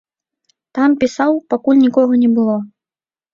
Там пісаў, пакуль нікога не было.